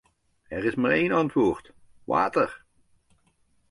Er is maar een antwoord: water.